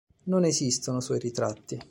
Non esistono suoi ritratti.